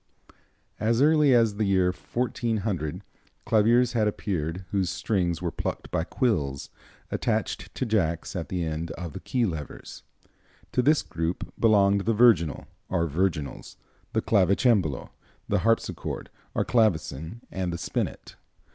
As early as the year 1400 claviers had appeared whose strings were plucked by quills attached to jacks at the end of the key levers. To this group belonged the virginal, or virginals, the clavicembalo, the harpsichord, or clavecin, and the spinet.